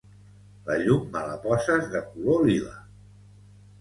La llum me la poses de color lila